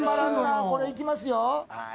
これいきますよ